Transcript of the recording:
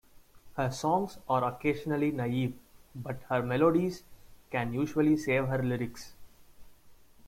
Her songs are occasionally naive, but her melodies can usually save her lyrics.